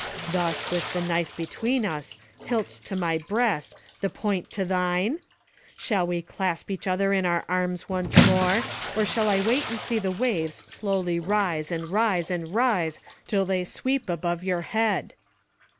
Thus, with the knife between us, the hilt to my breast, the point to thine? Shall we clasp each other in our arms once more, or shall I wait and see the waves slowly rise, and rise, and rise till they sweep above your head?"